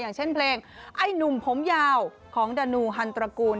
อย่างเช่นเพลงไอ้หนุ่มผมยาวของดานูฮันตระกูล